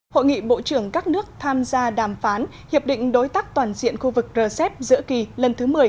hội nghị bộ trưởng các nước tham gia đàm phán hiệp định đối tác toàn diện khu vực rcep giữa kỳ lần thứ một mươi